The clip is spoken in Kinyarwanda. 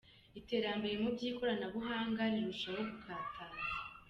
Iterambere mu by’ikoranabuhanga rirarushaho gukataza.